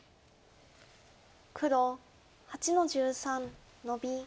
黒８の十三ノビ。